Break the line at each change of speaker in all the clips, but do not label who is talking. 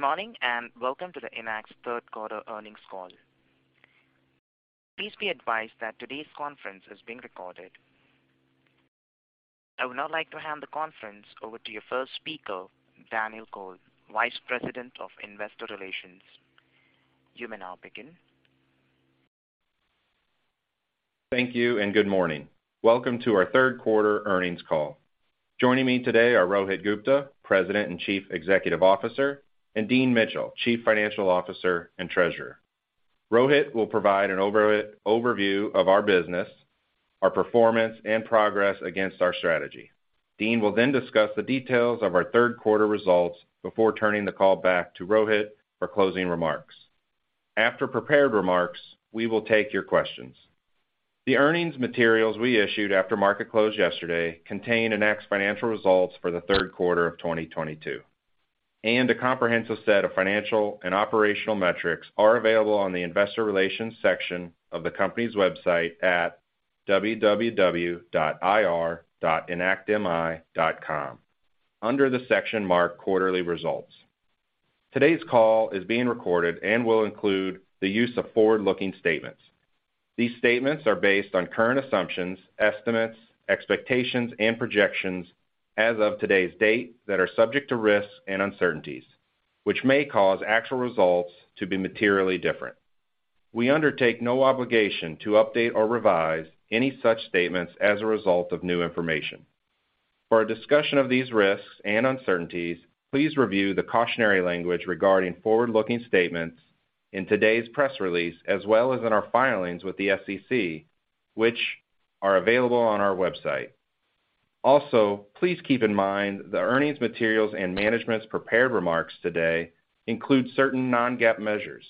Good morning, and welcome to Enact's third quarter Earnings Call. Please be advised that today's conference is being recorded. I would now like to hand the conference over to your first speaker, Daniel Kohl, Vice President of Investor Relations. You may now begin.
Thank you, and good morning. Welcome to our third quarter earnings call. Joining me today are Rohit Gupta, President and Chief Executive Officer, and Dean Mitchell, Chief Financial Officer and Treasurer. Rohit will provide an overview of our business, our performance, and progress against our strategy. Dean will then discuss the details of our third quarter results before turning the call back to Rohit for closing remarks. After prepared remarks, we will take your questions. The earnings materials we issued after market close yesterday contain Enact's financial results for the third quarter of 2022. A comprehensive set of financial and operational metrics are available on the investor relations section of the company's website at www.ir.enactmi.com under the section marked Quarterly Results. Today's call is being recorded and will include the use of forward-looking statements. These statements are based on current assumptions, estimates, expectations, and projections as of today's date that are subject to risks and uncertainties, which may cause actual results to be materially different. We undertake no obligation to update or revise any such statements as a result of new information. For a discussion of these risks and uncertainties, please review the cautionary language regarding forward-looking statements in today's press release, as well as in our filings with the SEC, which are available on our website. Also, please keep in mind the earnings materials and management's prepared remarks today include certain non-GAAP measures.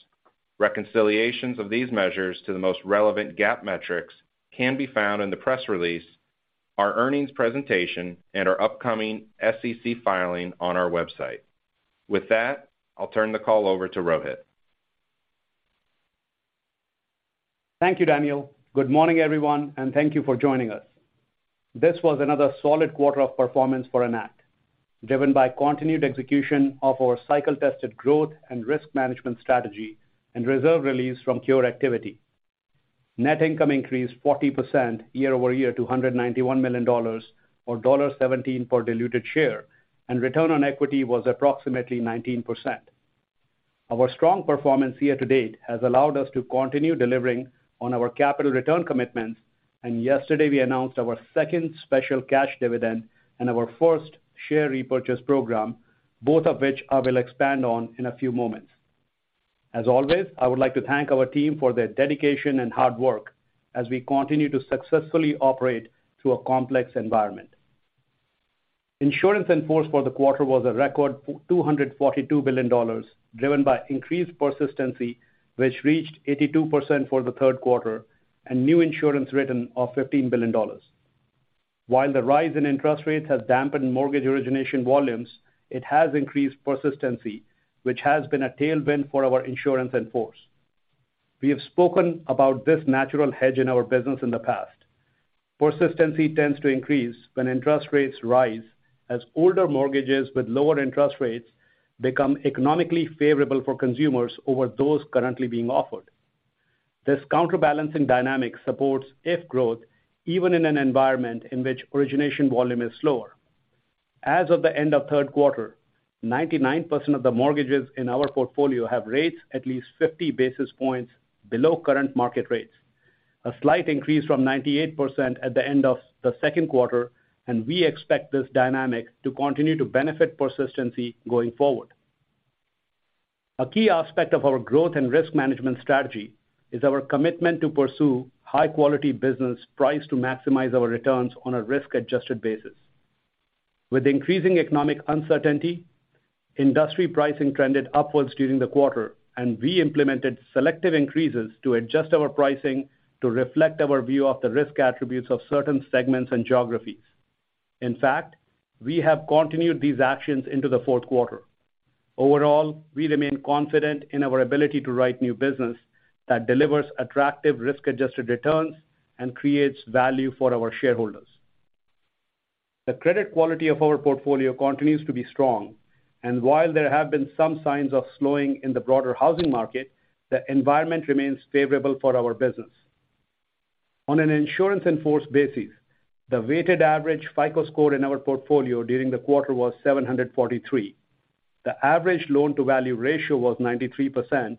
Reconciliations of these measures to the most relevant GAAP metrics can be found in the press release, our earnings presentation, and our upcoming SEC filing on our website. With that, I'll turn the call over to Rohit.
Thank you, Daniel. Good morning, everyone, and thank you for joining us. This was another solid quarter of performance for Enact, driven by continued execution of our cycle-tested growth and risk management strategy and reserve release from cure activity. Net income increased 40% year-over-year to $191 million, or $1.17 per diluted share, and return on equity was approximately 19%. Our strong performance year-to-date has allowed us to continue delivering on our capital return commitments, and yesterday we announced our second special cash dividend and our first share repurchase program, both of which I will expand on in a few moments. As always, I would like to thank our team for their dedication and hard work as we continue to successfully operate through a complex environment. Insurance in force for the quarter was a record $242 billion, driven by increased persistency, which reached 82% for the third quarter and new insurance written of $15 billion. While the rise in interest rates has dampened mortgage origination volumes, it has increased persistency, which has been a tailwind for our insurance in force. We have spoken about this natural hedge in our business in the past. Persistency tends to increase when interest rates rise as older mortgages with lower interest rates become economically favorable for consumers over those currently being offered. This counterbalancing dynamic supports IF growth even in an environment in which origination volume is slower. As of the end of third quarter, 99% of the mortgages in our portfolio have rates at least 50 basis points below current market rates, a slight increase from 98% at the end of the second quarter, and we expect this dynamic to continue to benefit persistency going forward. A key aspect of our growth and risk management strategy is our commitment to pursue high-quality business priced to maximize our returns on a risk-adjusted basis. With increasing economic uncertainty, industry pricing trended upwards during the quarter, and we implemented selective increases to adjust our pricing to reflect our view of the risk attributes of certain segments and geographies. In fact, we have continued these actions into the fourth quarter. Overall, we remain confident in our ability to write new business that delivers attractive risk-adjusted returns and creates value for our shareholders. The credit quality of our portfolio continues to be strong, and while there have been some signs of slowing in the broader housing market, the environment remains favorable for our business. On an insurance in force basis, the weighted average FICO score in our portfolio during the quarter was 743. The average loan-to-value ratio was 93%,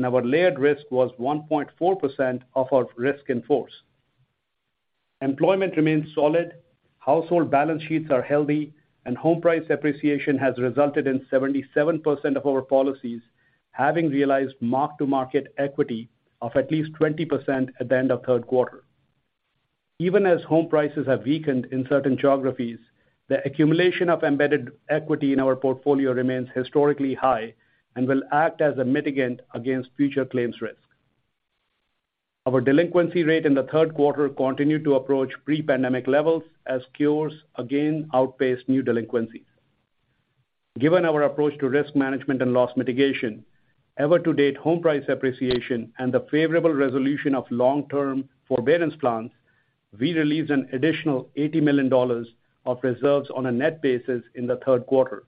and our layered risk was 1.4% of our risk in force. Employment remains solid, household balance sheets are healthy, and home price appreciation has resulted in 77% of our policies having realized mark-to-market equity of at least 20% at the end of third quarter. Even as home prices have weakened in certain geographies, the accumulation of embedded equity in our portfolio remains historically high and will act as a mitigant against future claims risk. Our delinquency rate in the third quarter continued to approach pre-pandemic levels as cures again outpaced new delinquencies. Given our approach to risk management and loss mitigation, ever to date home price appreciation and the favorable resolution of long-term forbearance plans. We released an additional $80 million of reserves on a net basis in the third quarter,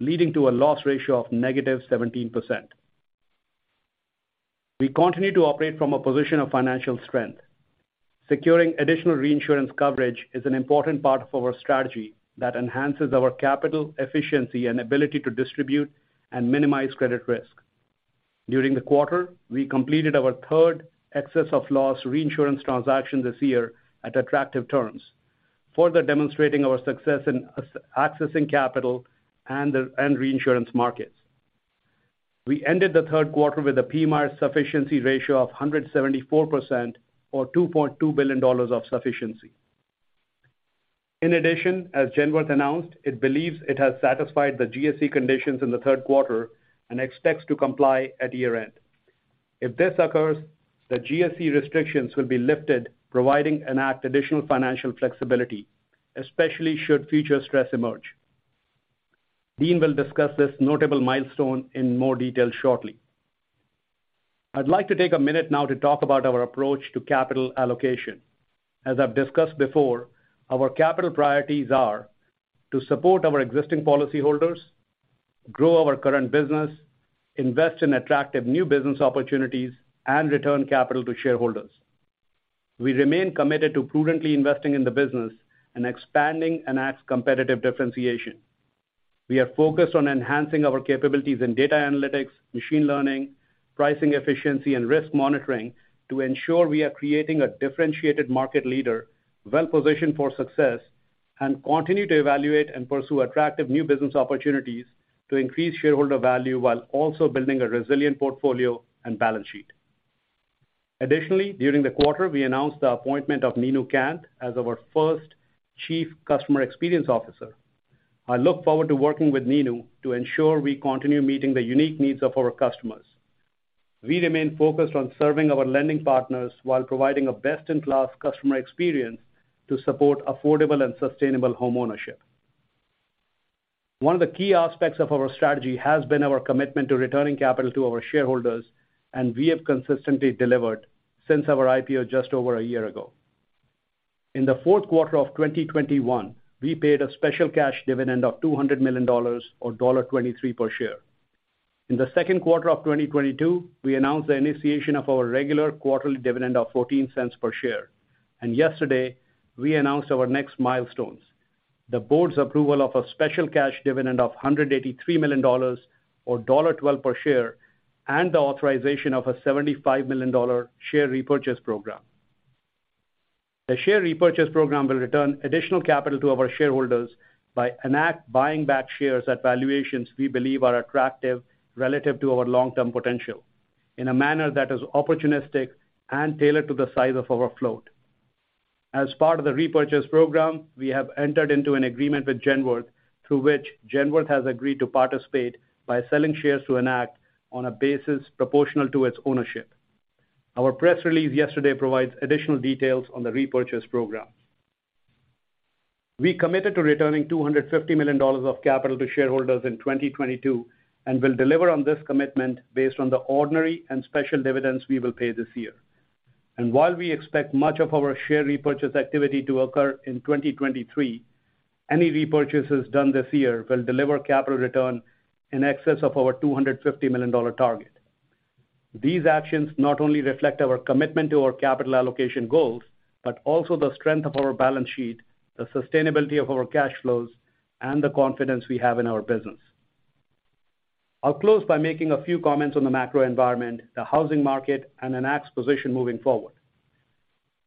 leading to a loss ratio of negative 17%. We continue to operate from a position of financial strength. Securing additional reinsurance coverage is an important part of our strategy that enhances our capital efficiency and ability to distribute and minimize credit risk. During the quarter, we completed our third excess of loss reinsurance transaction this year at attractive terms, further demonstrating our success in accessing capital and the reinsurance markets. We ended the third quarter with a PMIERs sufficiency ratio of 174% or $2.2 billion of sufficiency. In addition, as Genworth announced, it believes it has satisfied the GSE conditions in the third quarter and expects to comply at year-end. If this occurs, the GSE restrictions will be lifted, providing Enact additional financial flexibility, especially should future stress emerge. Dean will discuss this notable milestone in more detail shortly. I'd like to take a minute now to talk about our approach to capital allocation. As I've discussed before, our capital priorities are to support our existing policyholders, grow our current business, invest in attractive new business opportunities, and return capital to shareholders. We remain committed to prudently investing in the business and expanding Enact's competitive differentiation. We are focused on enhancing our capabilities in data analytics, machine learning, pricing efficiency, and risk monitoring to ensure we are creating a differentiated market leader well-positioned for success and continue to evaluate and pursue attractive new business opportunities to increase shareholder value while also building a resilient portfolio and balance sheet. Additionally, during the quarter, we announced the appointment of Neenu Kainth as our first Chief Customer Experience Officer. I look forward to working with Neenu to ensure we continue meeting the unique needs of our customers. We remain focused on serving our lending partners while providing a best-in-class customer experience to support affordable and sustainable homeownership. One of the key aspects of our strategy has been our commitment to returning capital to our shareholders, and we have consistently delivered since our IPO just over a year ago. In the fourth quarter of 2021, we paid a special cash dividend of $200 million, or $1.23 per share. In the second quarter of 2022, we announced the initiation of our regular quarterly dividend of $0.14 cents per share. Yesterday, we announced our next milestones, the board's approval of a special cash dividend of $183 million, or $1.12 per share, and the authorization of a $75 million share repurchase program. The share repurchase program will return additional capital to our shareholders by Enact buying back shares at valuations we believe are attractive relative to our long-term potential in a manner that is opportunistic and tailored to the size of our float. As part of the repurchase program, we have entered into an agreement with Genworth, through which Genworth has agreed to participate by selling shares to Enact on a basis proportional to its ownership. Our press release yesterday provides additional details on the repurchase program. We committed to returning $250 million of capital to shareholders in 2022 and will deliver on this commitment based on the ordinary and special dividends we will pay this year. While we expect much of our share repurchase activity to occur in 2023, any repurchases done this year will deliver capital return in excess of our $250 million target. These actions not only reflect our commitment to our capital allocation goals, but also the strength of our balance sheet, the sustainability of our cash flows, and the confidence we have in our business. I'll close by making a few comments on the macro environment, the housing market, and Enact's position moving forward.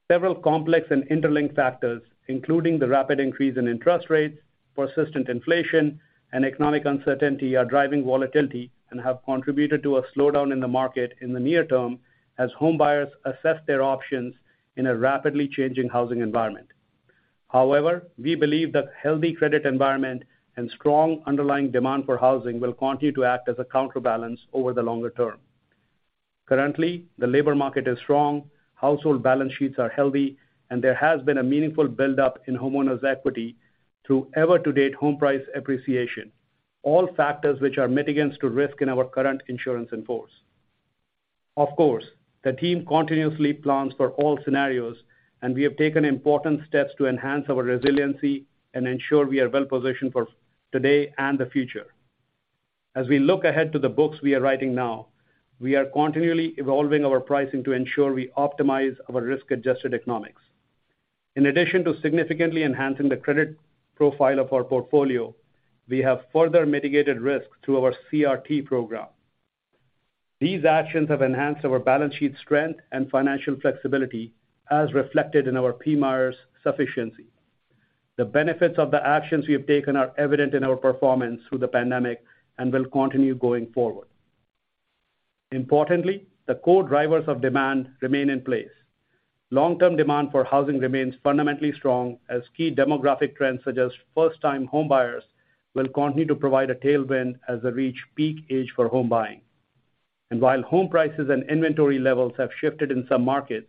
Several complex and interlinked factors, including the rapid increase in interest rates, persistent inflation, and economic uncertainty, are driving volatility and have contributed to a slowdown in the market in the near-term as homebuyers assess their options in a rapidly changing housing environment. However, we believe that healthy credit environment and strong underlying demand for housing will continue to act as a counterbalance over the long-term. Currently, the labor market is strong, household balance sheets are healthy, and there has been a meaningful buildup in homeowners' equity through year-to-date home price appreciation, all factors which are mitigants to risk in our current insurance in force. Of course, the team continuously plans for all scenarios, and we have taken important steps to enhance our resiliency and ensure we are well-positioned for today and the future. As we look ahead to the books we are writing now, we are continually evolving our pricing to ensure we optimize our risk-adjusted economics. In addition to significantly enhancing the credit profile of our portfolio, we have further mitigated risk through our CRT program. These actions have enhanced our balance sheet strength and financial flexibility, as reflected in our PMIERs sufficiency. The benefits of the actions we have taken are evident in our performance through the pandemic and will continue going forward. Importantly, the core drivers of demand remain in place. Long-term demand for housing remains fundamentally strong, as key demographic trends such as first-time homebuyers will continue to provide a tailwind as they reach peak age for home buying. While home prices and inventory levels have shifted in some markets,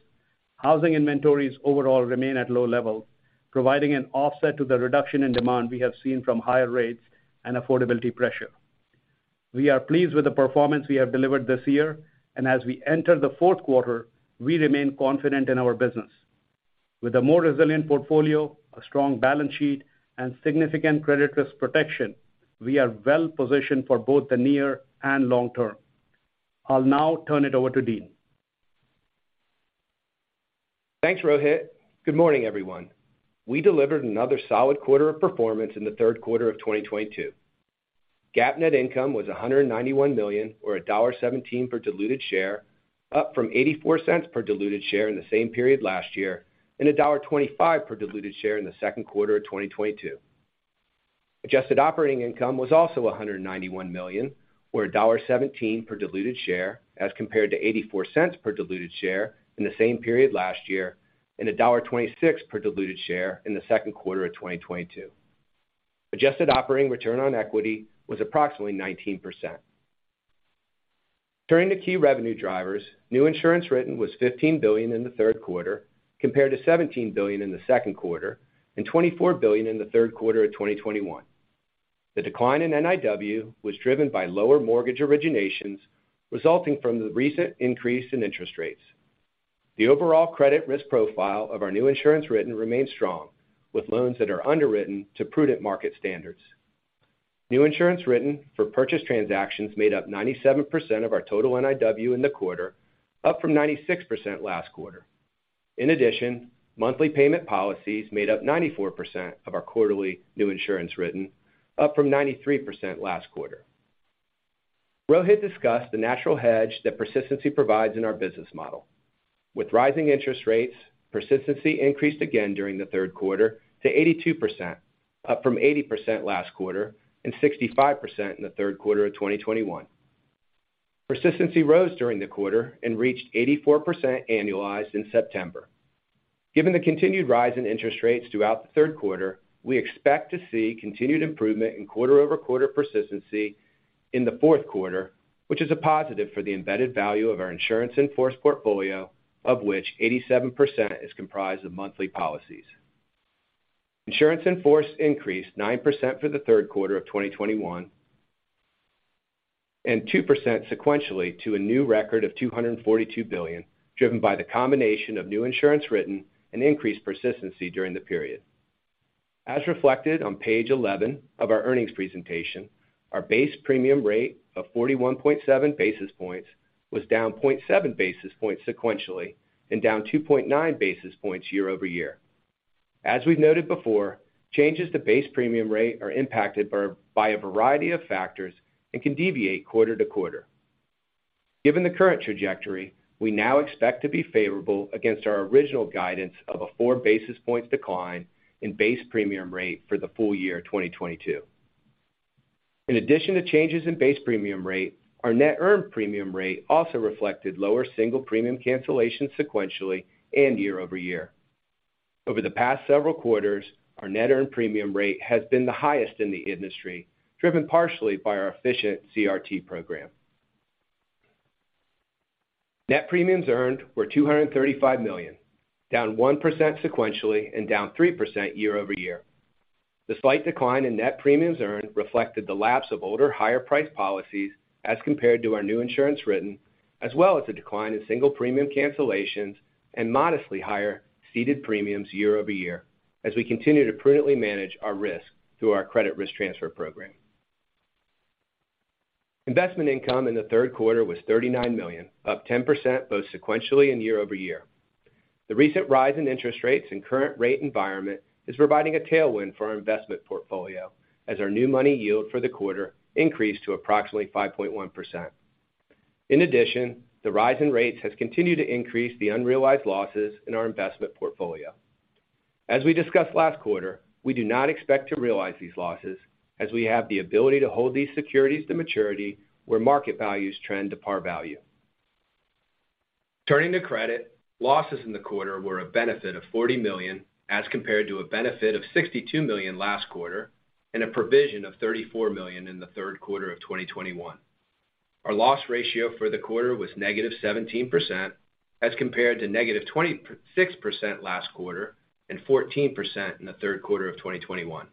housing inventories overall remain at low levels, providing an offset to the reduction in demand we have seen from higher rates and affordability pressure. We are pleased with the performance we have delivered this year, and as we enter the fourth quarter, we remain confident in our business. With a more resilient portfolio, a strong balance sheet, and significant credit risk protection, we are well-positioned for both the near and long-term. I'll now turn it over to Dean.
Thanks, Rohit. Good morning, everyone. We delivered another solid quarter of performance in the third quarter of 2022. GAAP net income was $191 million, or $1.17 per diluted share, up from $0.84 per diluted share in the same period last year, and $1.25 per diluted share in the second quarter of 2022. Adjusted operating income was also $191 million or $1.17 per diluted share, as compared to $0.84 per diluted share in the same period last year, and $1.26 per diluted share in the second quarter of 2022. Adjusted operating return on equity was approximately 19%. Turning to key revenue drivers, new insurance written was $15 billion in the third quarter, compared to $17 billion in the second quarter and $24 billion in the third quarter of 2021. The decline in NIW was driven by lower mortgage originations, resulting from the recent increase in interest rates. The overall credit risk profile of our new insurance written remains strong, with loans that are underwritten to prudent market standards. New insurance written for purchase transactions made up 97% of our total NIW in the quarter, up from 96% last quarter. In addition, monthly payment policies made up 94% of our quarterly new insurance written, up from 93% last quarter. Rohit discussed the natural hedge that persistency provides in our business model. With rising interest rates, persistency increased again during the third quarter to 82%, up from 80% last quarter and 65% in the third quarter of 2021. Persistency rose during the quarter and reached 84% annualized in September. Given the continued rise in interest rates throughout the third quarter, we expect to see continued improvement in quarter-over-quarter persistency in the fourth quarter, which is a positive for the embedded value of our insurance in force portfolio, of which 87% is comprised of monthly policies. Insurance in force increased 9% for the third quarter of 2021 and 2% sequentially to a new record of $242 billion, driven by the combination of new insurance written and increased persistency during the period. As reflected on page 11 of our earnings presentation, our base premium rate of 41.7 basis points was down 0.7 basis points sequentially and down 2.9 basis points year-over-year. As we've noted before, changes to base premium rate are impacted by a variety of factors and can deviate quarter to quarter. Given the current trajectory, we now expect to be favorable against our original guidance of a four basis points decline in base premium rate for the full year 2022. In addition to changes in base premium rate, our net earned premium rate also reflected lower single premium cancellations sequentially and year-over-year. Over the past several quarters, our net earned premium rate has been the highest in the industry, driven partially by our efficient CRT program. Net premiums earned were $235 million, down 1% sequentially and down 3% year-over-year. The slight decline in net premiums earned reflected the lapse of older higher price policies as compared to our new insurance written, as well as a decline in single premium cancellations and modestly higher ceded premiums year-over-year as we continue to prudently manage our risk through our credit risk transfer program. Investment income in the third quarter was $39 million, up 10% both sequentially and year-over-year. The recent rise in interest rates and current rate environment is providing a tailwind for our investment portfolio as our new money yield for the quarter increased to approximately 5.1%. In addition, the rise in rates has continued to increase the unrealized losses in our investment portfolio. As we discussed last quarter, we do not expect to realize these losses as we have the ability to hold these securities to maturity, where market values trend to par value. Turning to credit, losses in the quarter were a benefit of $40 million, as compared to a benefit of $62 million last quarter and a provision of $34 million in the third quarter of 2021. Our loss ratio for the quarter was -17%, as compared to -26% last quarter and 14% in the third quarter of 2021.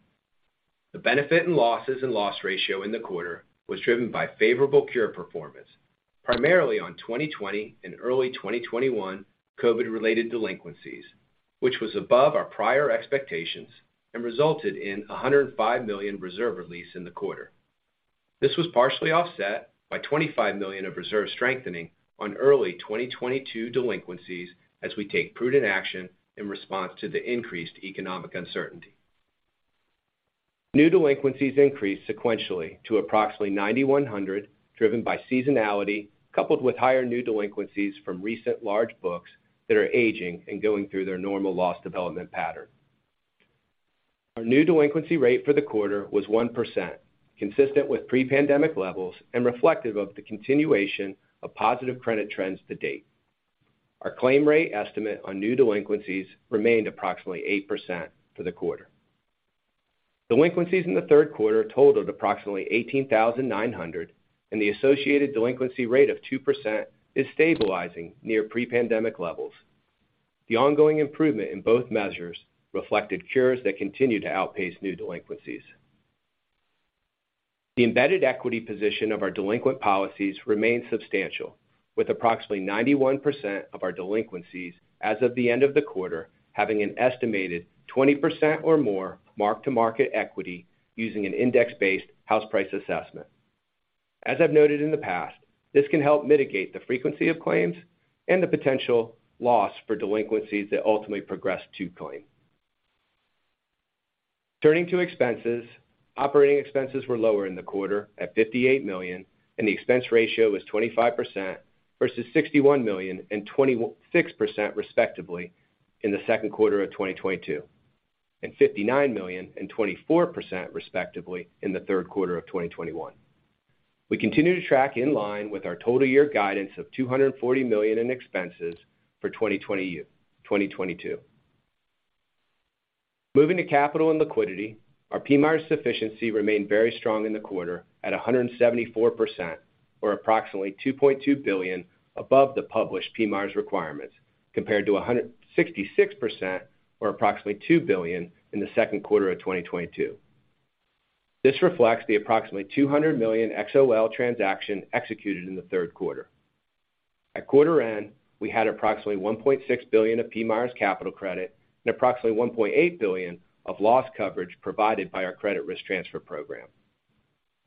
The benefit in losses and loss ratio in the quarter was driven by favorable cure performance, primarily on 2020 and early 2021 COVID-related delinquencies, which was above our prior expectations and resulted in a $105 million reserve release in the quarter. This was partially offset by $25 million of reserve strengthening on early 2022 delinquencies as we take prudent action in response to the increased economic uncertainty. New delinquencies increased sequentially to approximately 9,100, driven by seasonality, coupled with higher new delinquencies from recent large books that are aging and going through their normal loss development pattern. Our new delinquency rate for the quarter was 1%, consistent with pre-pandemic levels and reflective of the continuation of positive credit trends to date. Our claim rate estimate on new delinquencies remained approximately 8% for the quarter. Delinquencies in the third quarter totaled approximately 18,900, and the associated delinquency rate of 2% is stabilizing near pre-pandemic levels. The ongoing improvement in both measures reflected cures that continue to outpace new delinquencies. The embedded equity position of our delinquent policies remains substantial, with approximately 91% of our delinquencies as of the end of the quarter having an estimated 20% or more mark-to-market equity using an index-based house price assessment. As I've noted in the past, this can help mitigate the frequency of claims and the potential loss for delinquencies that ultimately progress to claim. Turning to expenses, operating expenses were lower in the quarter at $58 million, and the expense ratio was 25% versus $61 million and 26% respectively in the second quarter of 2022, and $59 million and 24% respectively in the third quarter of 2021. We continue to track in line with our total year guidance of $240 million in expenses for 2022. Moving to capital and liquidity, our PMIERs sufficiency remained very strong in the quarter at 174% or approximately $2.2 billion above the published PMIERs requirements, compared to 166% or approximately $2 billion in the second quarter of 2022. This reflects the approximately $200 million XOL transaction executed in the third quarter. At quarter end, we had approximately $1.6 billion of PMIERs capital credit and approximately $1.8 billion of loss coverage provided by our credit risk transfer program.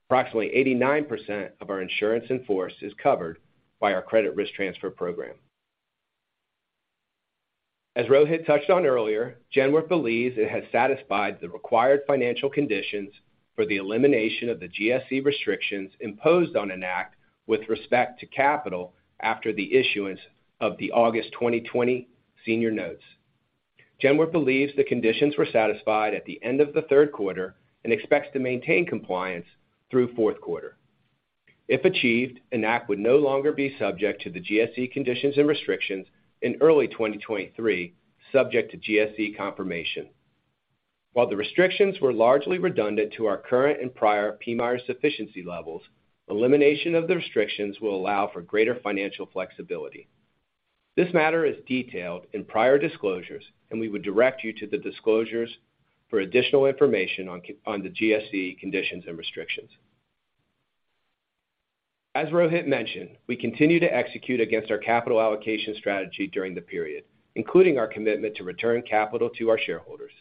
Approximately 89% of our insurance in force is covered by our credit risk transfer program. As Rohit touched on earlier, Genworth believes it has satisfied the required financial conditions for the elimination of the GSE restrictions imposed on Enact with respect to capital after the issuance of the August 2020 senior notes. Genworth believes the conditions were satisfied at the end of the third quarter and expects to maintain compliance through fourth quarter. If achieved, Enact would no longer be subject to the GSE conditions and restrictions in early 2023, subject to GSE confirmation. While the restrictions were largely redundant to our current and prior PMIER sufficiency levels, elimination of the restrictions will allow for greater financial flexibility. This matter is detailed in prior disclosures, and we would direct you to the disclosures for additional information on the GSE conditions and restrictions. As Rohit mentioned, we continue to execute against our capital allocation strategy during the period, including our commitment to return capital to our shareholders.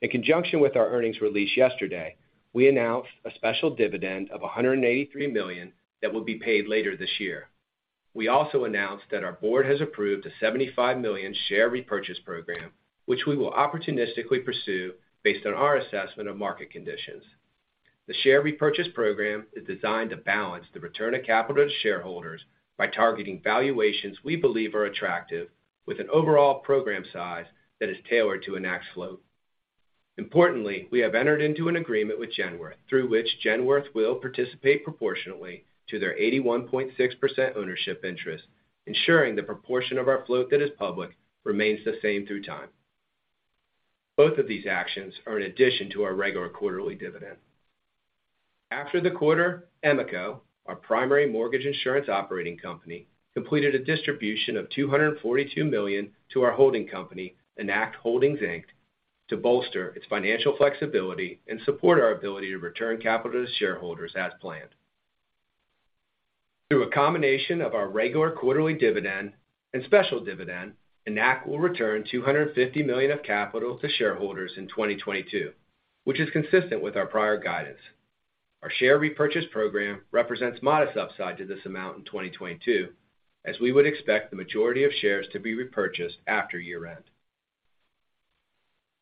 In conjunction with our earnings release yesterday, we announced a special dividend of $183 million that will be paid later this year. We also announced that our board has approved a 75 million share repurchase program, which we will opportunistically pursue based on our assessment of market conditions. The share repurchase program is designed to balance the return of capital to shareholders by targeting valuations we believe are attractive with an overall program size that is tailored to Enact's float. Importantly, we have entered into an agreement with Genworth, through which Genworth will participate proportionately to their 81.6% ownership interest, ensuring the proportion of our float that is public remains the same through time. Both of these actions are in addition to our regular quarterly dividend. After the quarter, EMCO, our primary mortgage insurance operating company, completed a distribution of $242 million to our holding company, Enact Holdings, Inc., to bolster its financial flexibility and support our ability to return capital to shareholders as planned. Through a combination of our regular quarterly dividend and special dividend, Enact will return $250 million of capital to shareholders in 2022, which is consistent with our prior guidance. Our share repurchase program represents modest upside to this amount in 2022, as we would expect the majority of shares to be repurchased after year-end.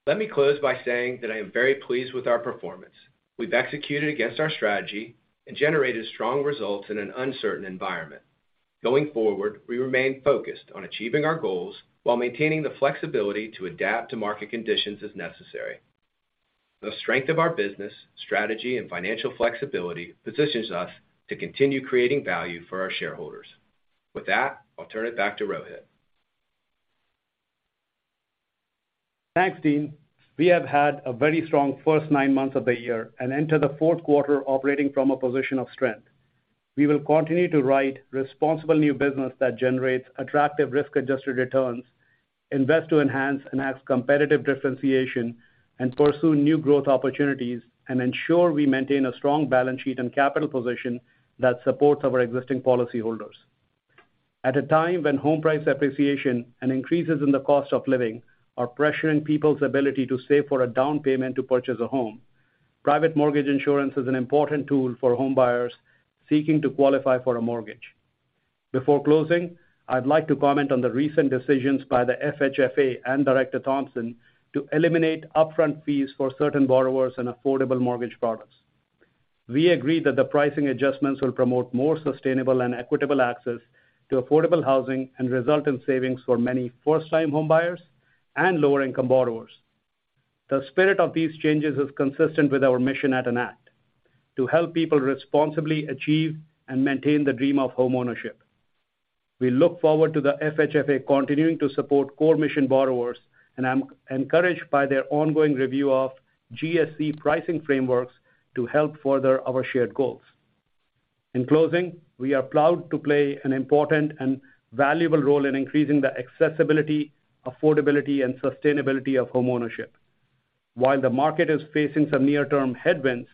Let me close by saying that I am very pleased with our performance. We've executed against our strategy and generated strong results in an uncertain environment. Going forward, we remain focused on achieving our goals while maintaining the flexibility to adapt to market conditions as necessary. The strength of our business, strategy, and financial flexibility positions us to continue creating value for our shareholders. With that, I'll turn it back to Rohit.
Thanks, Dean. We have had a very strong first nine months of the year and enter the fourth quarter operating from a position of strength. We will continue to write responsible new business that generates attractive risk-adjusted returns, invest to enhance Enact's competitive differentiation, and pursue new growth opportunities and ensure we maintain a strong balance sheet and capital position that supports our existing policyholders. At a time when home price appreciation and increases in the cost of living are pressuring people's ability to save for a down payment to purchase a home, private mortgage insurance is an important tool for homebuyers seeking to qualify for a mortgage. Before closing, I'd like to comment on the recent decisions by the FHFA and Director Thompson to eliminate upfront fees for certain borrowers and affordable mortgage products. We agree that the pricing adjustments will promote more sustainable and equitable access to affordable housing and result in savings for many first-time homebuyers and lower-income borrowers. The spirit of these changes is consistent with our mission at Enact to help people responsibly achieve and maintain the dream of homeownership. We look forward to the FHFA continuing to support core mission borrowers, and I'm encouraged by their ongoing review of GSE pricing frameworks to help further our shared goals. In closing, we are proud to play an important and valuable role in increasing the accessibility, affordability, and sustainability of homeownership. While the market is facing some near-term headwinds,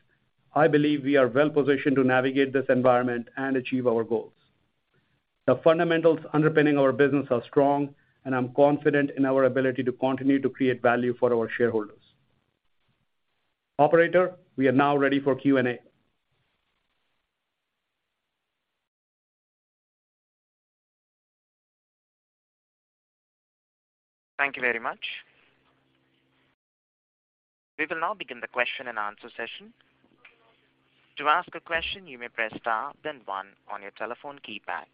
I believe we are well positioned to navigate this environment and achieve our goals. The fundamentals underpinning our business are strong, and I'm confident in our ability to continue to create value for our shareholders. Operator, we are now ready for Q&A.
Thank you very much. We will now begin the question-and-answer session. To ask a question, you may press star, then one on your telephone keypad.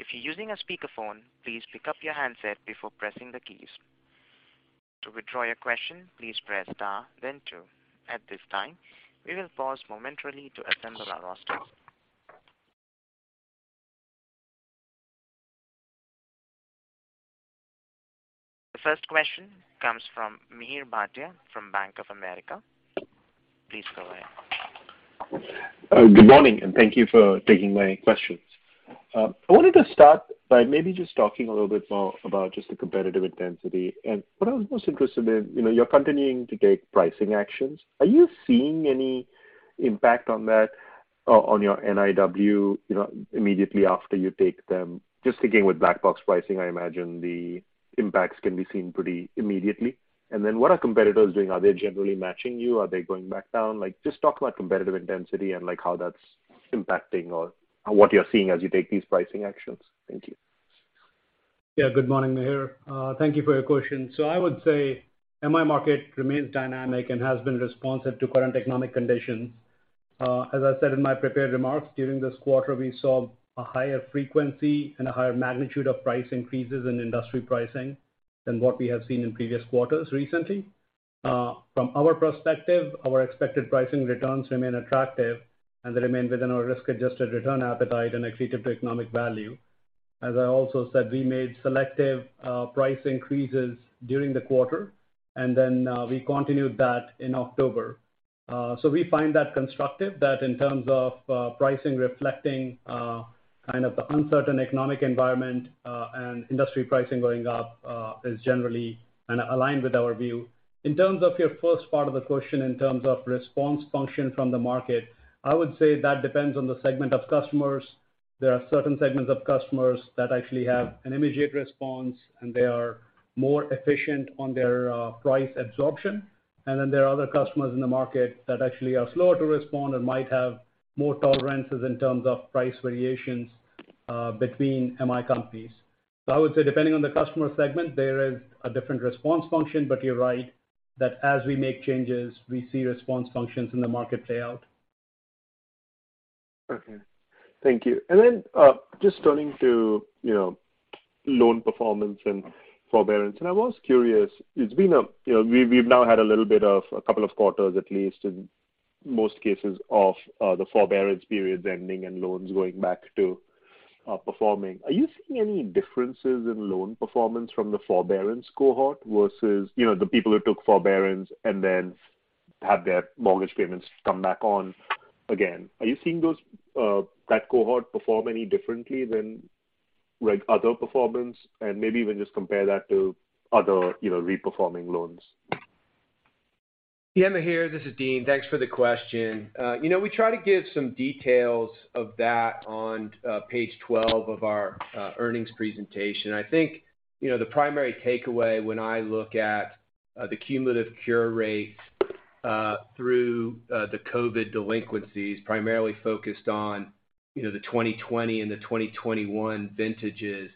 If you're using a speakerphone, please pick up your handset before pressing the keys. To withdraw your question, please press star then two. At this time, we will pause momentarily to assemble our roster. The first question comes from Mihir Bhatia from Bank of America. Please go ahead.
Good morning, and thank you for taking my questions. I wanted to start by maybe just talking a little bit more about just the competitive intensity. What I was most interested in, you know, you're continuing to take pricing actions. Are you seeing any impact on that on your NIW, you know, immediately after you take them? Just thinking with black box pricing, I imagine the impacts can be seen pretty immediately. Then what are competitors doing? Are they generally matching you? Are they going back down? Like, just talk about competitive intensity and, like, how that's impacting or what you're seeing as you take these pricing actions. Thank you.
Yeah. Good morning, Mihir. Thank you for your question. I would say MI market remains dynamic and has been responsive to current economic conditions. As I said in my prepared remarks, during this quarter, we saw a higher frequency and a higher magnitude of price increases in industry pricing than what we have seen in previous quarters recently. From our perspective, our expected pricing returns remain attractive, and they remain within our risk-adjusted return appetite and accretive to economic value. As I also said, we made selective price increases during the quarter, and then we continued that in October. We find that constructive that in terms of pricing reflecting kind of the uncertain economic environment, and industry pricing going up is generally kind of aligned with our view. In terms of your first part of the question in terms of response function from the market, I would say that depends on the segment of customers. There are certain segments of customers that actually have an immediate response, and they are more efficient on their price absorption. There are other customers in the market that actually are slower to respond and might have more tolerances in terms of price variations between MI companies. I would say depending on the customer segment, there is a different response function. You're right that as we make changes, we see response functions in the market play out.
Okay. Thank you. Then, just turning to, you know, loan performance and forbearance. I was curious. It's been you know, we've now had a little bit of a couple of quarters, at least in most cases, of the forbearance periods ending and loans going back to performing. Are you seeing any differences in loan performance from the forbearance cohort versus, you know, the people who took forbearance and then have their mortgage payments come back on again? Are you seeing those, that cohort perform any differently than, like, other performance? Maybe even just compare that to other, you know, re-performing loans.
Yeah, Mihir, this is Dean. Thanks for the question. We try to give some details of that on page 12 of our earnings presentation. I think, you know, the primary takeaway when I look at the cumulative cure rates through the COVID delinquencies, primarily focused on, you know, the 2020 and the 2021 vintages,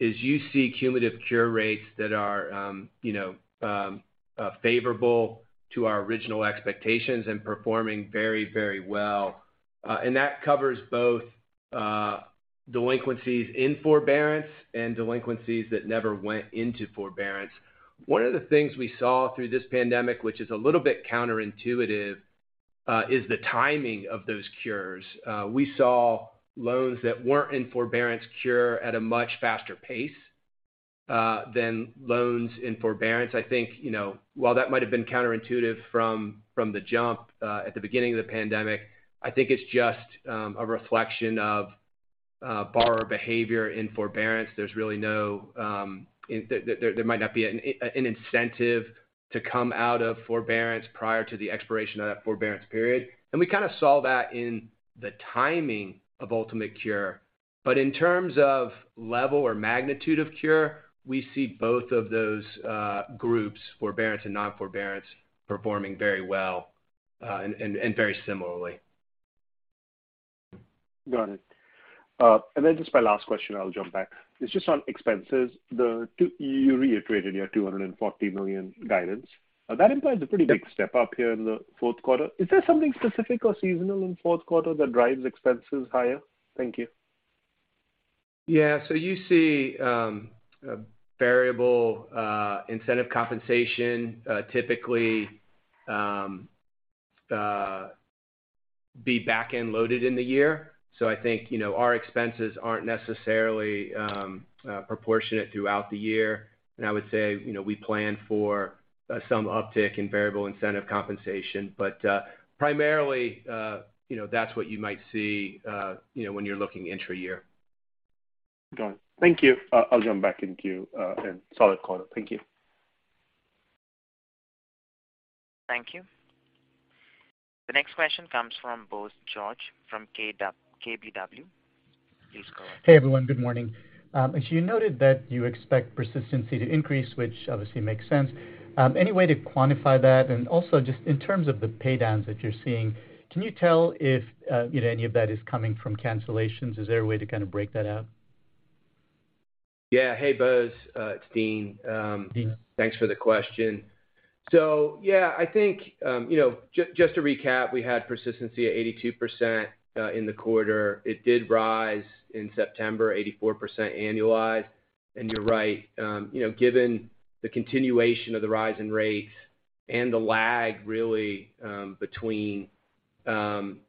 is you see cumulative cure rates that are, you know, favorable to our original expectations and performing very, very well. That covers both delinquencies in forbearance and delinquencies that never went into forbearance. One of the things we saw through this pandemic, which is a little bit counterintuitive, is the timing of those cures. We saw loans that weren't in forbearance cure at a much faster pace than loans in forbearance. I think, you know, while that might have been counterintuitive from the jump at the beginning of the pandemic, I think it's just a reflection of borrower behavior in forbearance. There's really no incentive to come out of forbearance prior to the expiration of that forbearance period. We kind of saw that in the timing of ultimate cure. In terms of level or magnitude of cure, we see both of those groups, forbearance and non-forbearance, performing very well and very similarly.
Got it. Just my last question, I'll jump back. It's just on expenses. You reiterated your $240 million guidance. That implies a pretty big step up here in the fourth quarter. Is there something specific or seasonal in fourth quarter that drives expenses higher? Thank you.
Yeah. You see, variable incentive compensation typically is back-end loaded in the year. I think, you know, our expenses aren't necessarily proportionate throughout the year. I would say, you know, we plan for some uptick in variable incentive compensation. Primarily, you know, that's what you might see, you know, when you're looking intra-year.
Got it. Thank you. I'll jump back into queue. Solid quarter. Thank you.
Thank you. The next question comes from Bose George from KBW. Please go ahead.
Hey, everyone. Good morning. You noted that you expect persistency to increase, which obviously makes sense. Any way to quantify that? Just in terms of the pay downs that you're seeing, can you tell if, you know, any of that is coming from cancellations? Is there a way to kind of break that out?
Yeah. Hey, Bose, it's Dean. Thanks for the question. Yeah, I think, you know, just to recap, we had persistency at 82% in the quarter. It did rise in September, 84% annualized. You're right, you know, given the continuation of the rise in rates and the lag really between application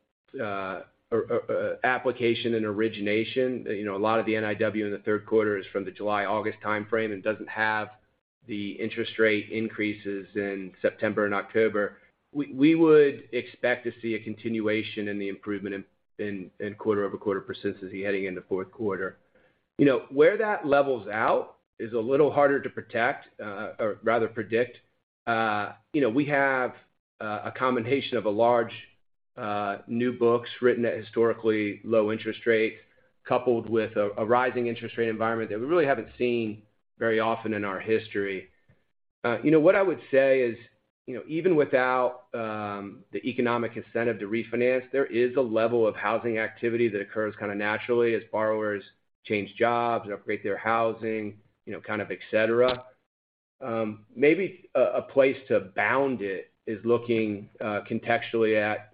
and origination, you know, a lot of the NIW in the third quarter is from the July, August timeframe and doesn't have the interest rate increases in September and October. We would expect to see a continuation in the improvement in quarter-over-quarter persistency heading into fourth quarter. You know, where that levels out is a little harder to protect, or rather predict. You know, we have a combination of a large new books written at historically low interest rate, coupled with a rising interest rate environment that we really haven't seen very often in our history. You know, what I would say is, you know, even without the economic incentive to refinance, there is a level of housing activity that occurs kinda naturally as borrowers change jobs, upgrade their housing, you know, kind of et cetera. Maybe a place to bound it is looking contextually at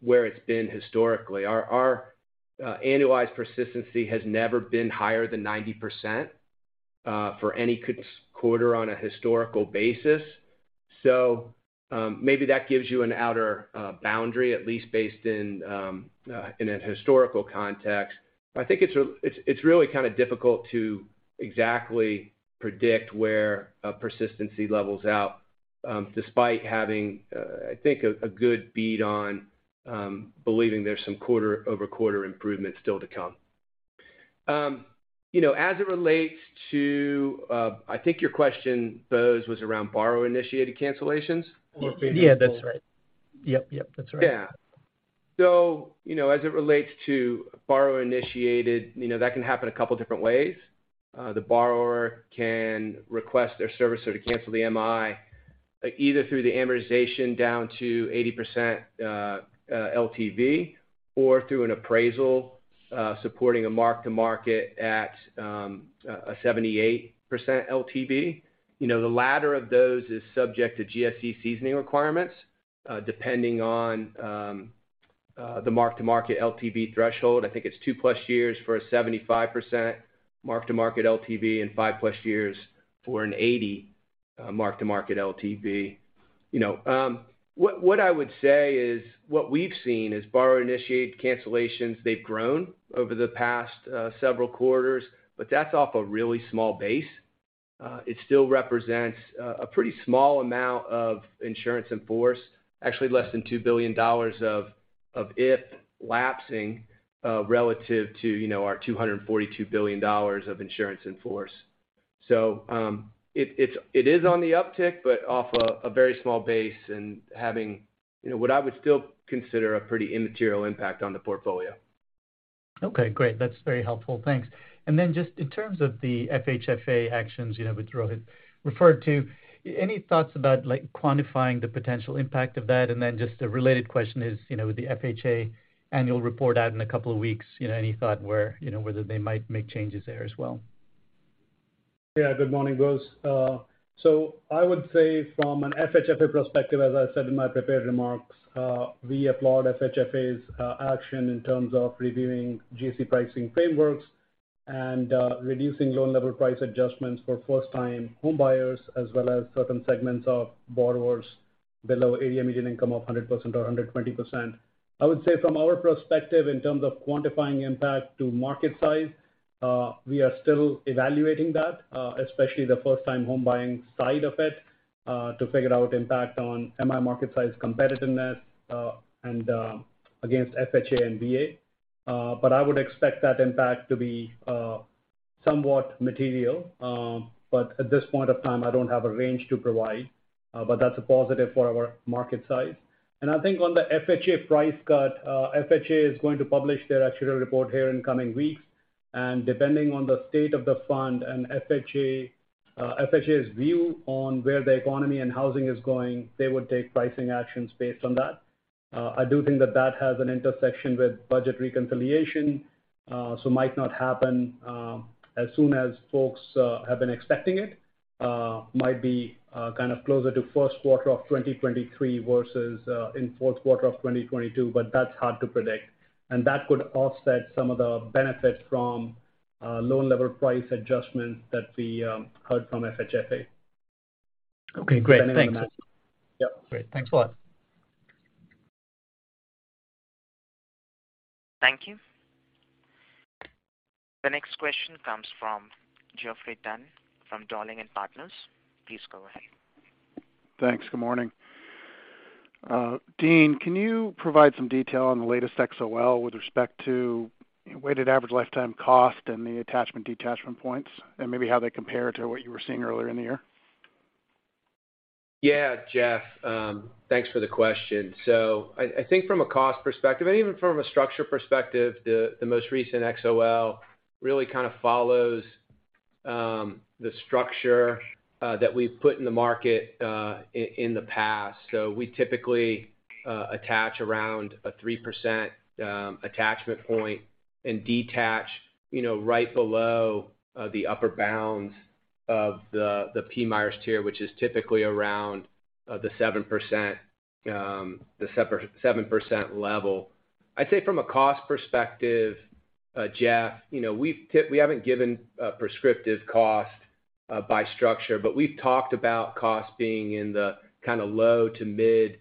where it's been historically. Our annualized persistency has never been higher than 90% for any quarter on a historical basis. Maybe that gives you an outer boundary, at least based in a historical context. I think it's really kind of difficult to exactly predict where a persistency levels out, despite having, I think a good bead on, believing there's some quarter-over-quarter improvement still to come. You know, as it relates to, I think your question, Bose, was around borrower-initiated cancellations or maybe-
Yeah, that's right. Yep, yep, that's right.
Yeah. You know, as it relates to borrower-initiated, you know, that can happen a couple different ways. The borrower can request their servicer to cancel the MI, either through the amortization down to 80%, LTV or through an appraisal, supporting a mark-to-market at a 78% LTV. You know, the latter of those is subject to GSE seasoning requirements, depending on the mark-to-market LTV threshold. I think it's two+ years for a 75% mark-to-market LTV and five+ years for an 80% mark-to-market LTV. You know, what I would say is what we've seen is borrower-initiated cancellations, they've grown over the past several quarters, but that's off a really small base. It still represents a pretty small amount of insurance in force, actually less than $2 billion of it lapsing, relative to, you know, our $242 billion of insurance in force. It is on the uptick, but off a very small base and having, you know, what I would still consider a pretty immaterial impact on the portfolio.
Okay, great. That's very helpful. Thanks. Just in terms of the FHFA actions, you know, which Rohit referred to, any thoughts about, like, quantifying the potential impact of that? Just a related question is, you know, with the FHA annual report out in a couple of weeks, you know, any thought where, you know, whether they might make changes there as well?
Yeah. Good morning, Bose. I would say from an FHFA perspective, as I said in my prepared remarks, we applaud FHFA's action in terms of reviewing GSE pricing frameworks and reducing loan-level price adjustments for first-time homebuyers as well as certain segments of borrowers below area median income of 100% or 120%. I would say from our perspective in terms of quantifying impact to market size, we are still evaluating that, especially the first-time home buying side of it, to figure out impact on MI market size competitiveness, and against FHA and VA. I would expect that impact to be somewhat material. At this point of time, I don't have a range to provide, but that's a positive for our market size. I think on the FHA price cut, FHA is going to publish their actuarial report here in coming weeks. Depending on the state of the fund and FHA's view on where the economy and housing is going, they would take pricing actions based on that. I do think that has an intersection with budget reconciliation, so might not happen as soon as folks have been expecting it. Might be kind of closer to first quarter of 2023 versus in fourth quarter of 2022, but that's hard to predict. That could offset some of the benefit from loan-level price adjustments that we heard from FHFA.
Okay, great. Thanks.
Yep.
Great. Thanks a lot.
Thank you. The next question comes from Geoffrey Dunn from Dowling & Partners. Please go ahead.
Thanks. Good morning. Dean, can you provide some detail on the latest XOL with respect to weighted average lifetime cost and the attachment, detachment points, and maybe how they compare to what you were seeing earlier in the year?
Yeah, Jeff, thanks for the question. I think from a cost perspective, and even from a structure perspective, the most recent XOL really kind of follows the structure that we've put in the market in the past. We typically attach around a 3% attachment point and detach, you know, right below the upper bounds of the PMIERs tier, which is typically around the 7% level. I'd say from a cost perspective, Jeff, you know, we haven't given a prescriptive cost by structure, but we've talked about cost being in the kind of low to mid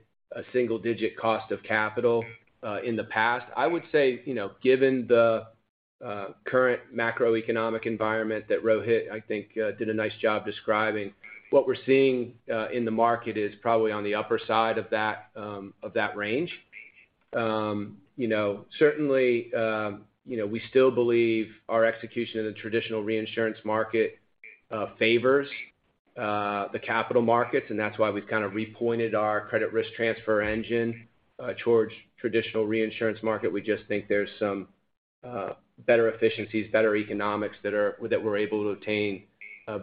single digit cost of capital in the past. I would say, you know, given the current macroeconomic environment that Rohit, I think, did a nice job describing, what we're seeing in the market is probably on the upper side of that range. You know, certainly, you know, we still believe our execution in the traditional reinsurance market favors the capital markets, and that's why we've kind of repointed our credit risk transfer engine towards traditional reinsurance market. We just think there's some better efficiencies, better economics that we're able to obtain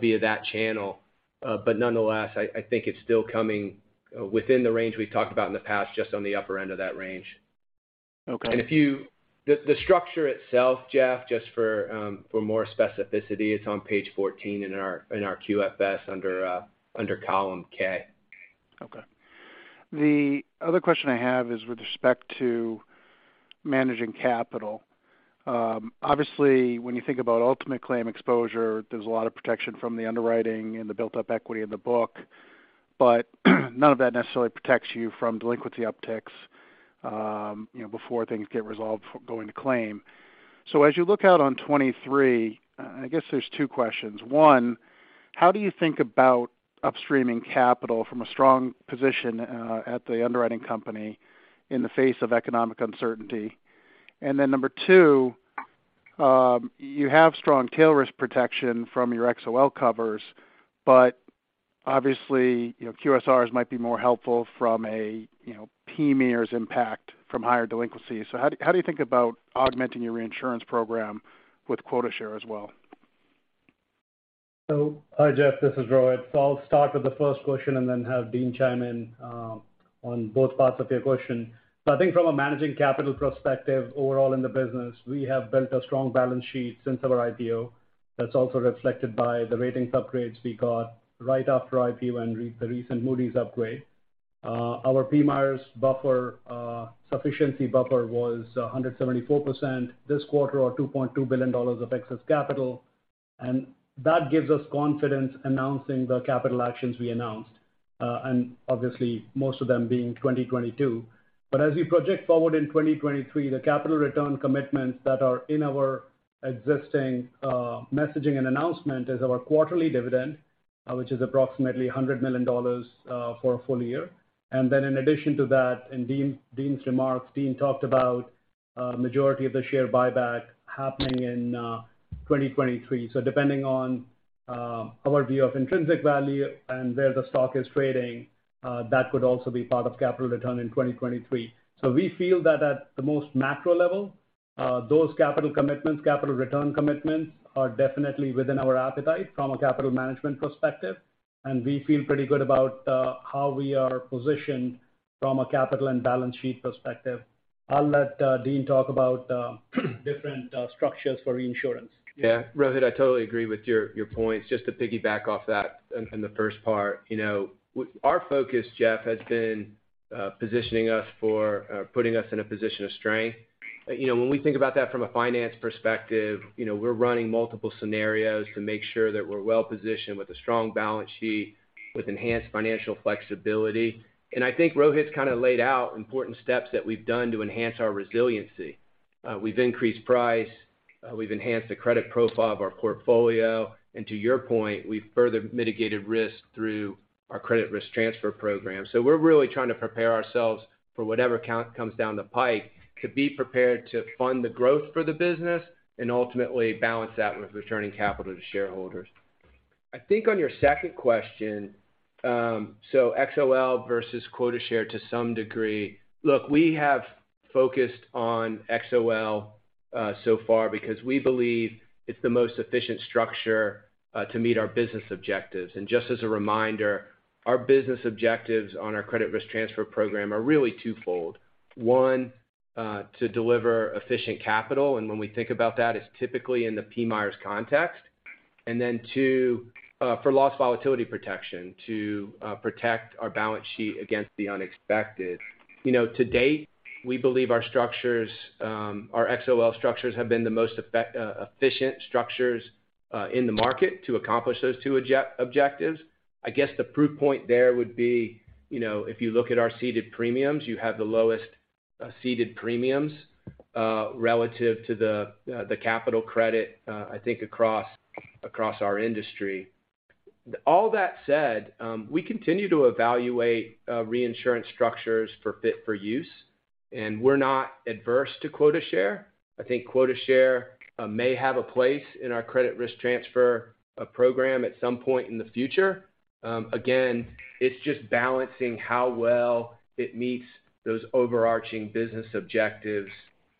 via that channel. Nonetheless, I think it's still coming within the range we've talked about in the past, just on the upper end of that range.
Okay.
The structure itself, Jeff, just for more specificity, it's on page 14 in our QFS under column K.
Okay. The other question I have is with respect to managing capital. Obviously, when you think about ultimate claim exposure, there's a lot of protection from the underwriting and the built-up equity in the book, but none of that necessarily protects you from delinquency upticks, you know, before things get resolved going to claim. As you look out on 2023, I guess there's two questions. One, how do you think about up-streaming capital from a strong position, at the underwriting company in the face of economic uncertainty? Then number two, you have strong tail risk protection from your XOL covers, but obviously, you know, QSRs might be more helpful from a, you know, PMIERs impact from higher delinquency. How do you think about augmenting your reinsurance program with quota share as well?
Hi, Jeffrey, this is Rohit. I'll start with the first question and then have Dean chime in on both parts of your question. I think from a managing capital perspective overall in the business, we have built a strong balance sheet since our IPO. That's also reflected by the ratings upgrades we got right after IPO and the recent Moody's upgrade. Our PMIERs buffer sufficiency buffer was 174% this quarter or $2.2 billion of excess capital. That gives us confidence announcing the capital actions we announced, and obviously most of them being 2022. As we project forward in 2023, the capital return commitments that are in our existing messaging and announcement is our quarterly dividend, which is approximately $100 million for a full year. In addition to that, in Dean's remarks, Dean talked about majority of the share buyback happening in 2023. Depending on our view of intrinsic value and where the stock is trading, that could also be part of capital return in 2023. We feel that at the most macro level, those capital commitments, capital return commitments are definitely within our appetite from a capital management perspective, and we feel pretty good about how we are positioned from a capital and balance sheet perspective. I'll let Dean talk about different structures for reinsurance.
Yeah. Rohit, I totally agree with your points. Just to piggyback off that in the first part, you know, our focus, Jeff, has been putting us in a position of strength. You know, when we think about that from a financial perspective, you know, we're running multiple scenarios to make sure that we're well positioned with a strong balance sheet, with enhanced financial flexibility. I think Rohit's kind of laid out important steps that we've done to enhance our resiliency. We've increased price. We've enhanced the credit profile of our portfolio. To your point, we've further mitigated risk through our credit risk transfer program. We're really trying to prepare ourselves for whatever comes down the pike to be prepared to fund the growth for the business and ultimately balance that with returning capital to shareholders. I think on your second question, so XOL versus quota share to some degree. Look, we have focused on XOL, so far because we believe it's the most efficient structure, to meet our business objectives. Just as a reminder, our business objectives on our credit risk transfer program are really twofold. One, to deliver efficient capital, and when we think about that, it's typically in the PMIERs context. Then two, for loss volatility protection, to protect our balance sheet against the unexpected. You know, to date, we believe our structures, our XOL structures have been the most efficient structures, in the market to accomplish those two objectives. I guess the proof point there would be, you know, if you look at our ceded premiums, you have the lowest ceded premiums relative to the capital credit, I think across our industry. All that said, we continue to evaluate reinsurance structures for fit for use, and we're not averse to quota share. I think quota share may have a place in our credit risk transfer program at some point in the future. Again, it's just balancing how well it meets those overarching business objectives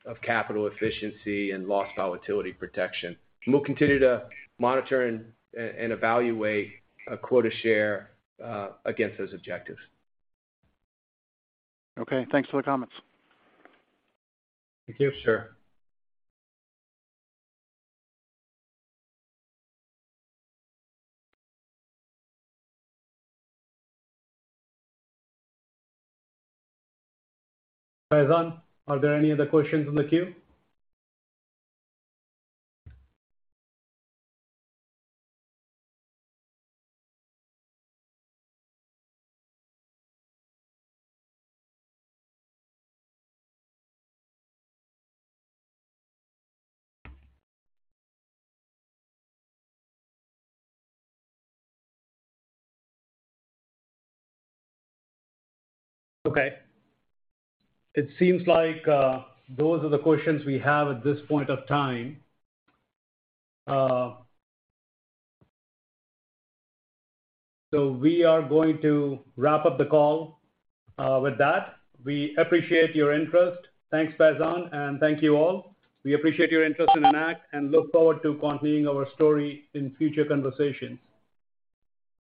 of capital efficiency and loss volatility protection. We'll continue to monitor and evaluate a quota share against those objectives.
Okay, thanks for the comments.
Thank you.
Sure.
Faizan, are there any other questions in the queue? Okay. It seems like those are the questions we have at this point of time. We are going to wrap up the call with that. We appreciate your interest. Thanks, Faizan, and thank you all. We appreciate your interest in Enact and look forward to continuing our story in future conversations.